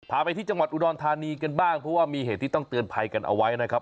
ไปที่จังหวัดอุดรธานีกันบ้างเพราะว่ามีเหตุที่ต้องเตือนภัยกันเอาไว้นะครับ